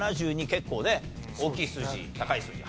結構ね大きい数字高い数字。